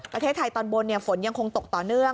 ประเทศไทยตอนบนฝนยังคงตกต่อเนื่อง